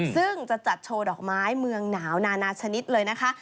ซึ่งจะจัดโชว์ดอกไม้เมืองหนาวนานาชนิดเลยนะคะ